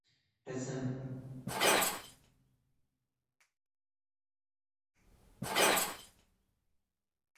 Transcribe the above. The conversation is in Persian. حسن از جواب دادن خودداری میکند.